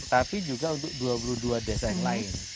tapi juga untuk dua puluh dua desa yang lain